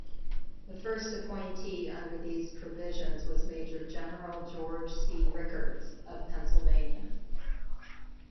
The first appointee under these provisions was Major General George C. Rickards of Pennsylvania.